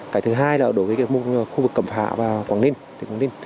cái thứ hai là đối với cái khu vực cẩm phạ và quảng ninh